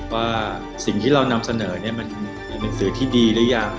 ว่าสิ่งที่เรานำเสนอมันเป็นหนังสือที่ดีหรือยัง